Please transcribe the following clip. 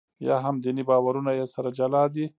یا هم دیني باورونه یې سره جلا دي.